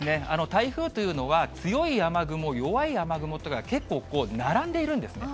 台風というのは、強い雨雲、弱い雨雲というのが結構、並んでいるんですね。